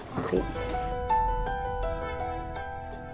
nah itu pak